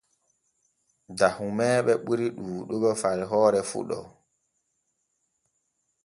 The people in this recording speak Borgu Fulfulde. Dahumeeɓe ɓuri ɗuuɗugo far hoore fuɗo.